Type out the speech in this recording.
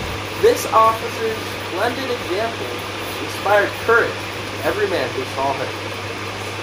This officer's splendid example inspired courage into every man who saw him.